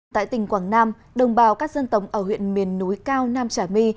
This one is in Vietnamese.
tại tỉnh quảng nam đồng bào các dân tộc ở huyện miền núi cao nam trà my